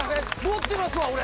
持ってますわ俺。